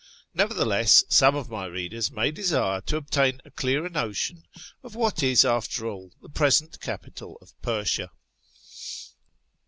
Nevertheless, some of my readers may desire to obtain a clearer notion of what is, after all, the present capital of Persia.